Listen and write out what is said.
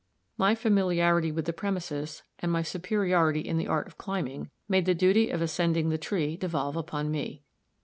My familiarity with the premises and my superiority in the art of climbing, made the duty of ascending the tree devolve upon me.